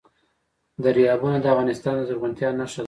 دریابونه د افغانستان د زرغونتیا نښه ده.